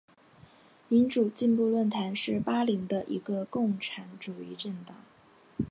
民主进步论坛是巴林的一个共产主义政党。